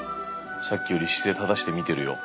さっきより姿勢正して見てるよ。